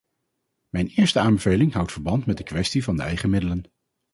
Mijn eerste aanbeveling houdt verband met de kwestie van de eigen middelen.